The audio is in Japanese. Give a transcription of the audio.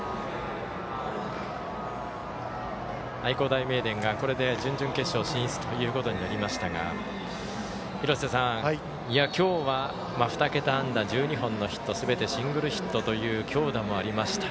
愛工大名電がこれで準々決勝進出ということになりましたが今日は２桁安打１２本のヒットすべてシングルヒットという強打もありました。